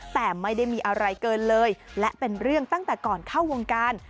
แต่ไม่ได้มีอะไรเกินเลยและเป็นเรื่องตั้งแต่ก่อนเข้าวงการ